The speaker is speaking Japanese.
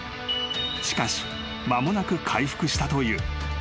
［しかし間もなく回復したという］